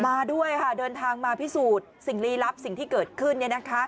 มาด้วยค่ะเดินทางมาพิสูจน์สิ่งลีลับสิ่งที่เกิดขึ้น